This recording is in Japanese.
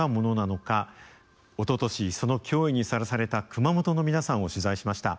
おととしその脅威にさらされた熊本の皆さんを取材しました。